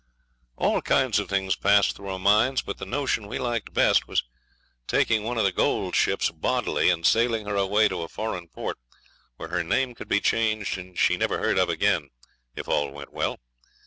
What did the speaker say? All kinds of things passed through our minds, but the notion we liked best was taking one of the gold ships bodily and sailing her away to a foreign port, where her name could be changed, and she never heard of again, if all went well.